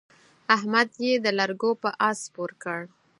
احمد يې د لرګو پر اس سپور کړ.